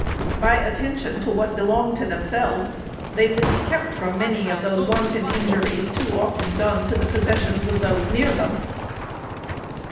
By attention to what belonged to themselves, they would be kept from many of those wanton injuries too often done to the possessions of those near them.